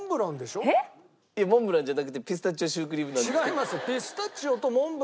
いやモンブランじゃなくてピスタチオシュークリームなんですけど。